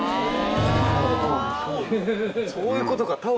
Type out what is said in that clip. そういうことか！